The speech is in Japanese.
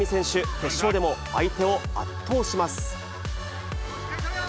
決勝でも相手を圧倒します。